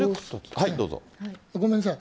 ごめんなさい。